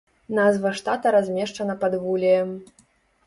Назва штата размешчана пад вулеем.